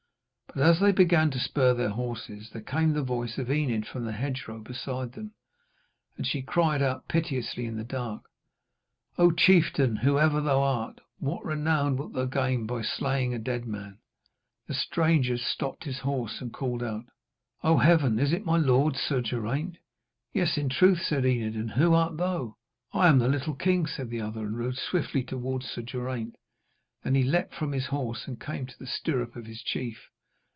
But as they began to spur their horses, there came the voice of Enid from the hedgerow beside them. And she cried out piteously in the dark: 'O chieftain, whoever thou art, what renown wilt thou gain by slaying a dead man?' The stranger stopped his horse, and called out: 'O Heaven, is it my lord, Sir Geraint?' 'Yes, in truth,' said Enid, 'and who art thou?' 'I am the little king!' said the other, and rode swiftly towards Sir Geraint. Then he leaped from his horse and came to the stirrup of his chief.